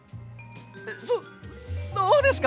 そっそうですか？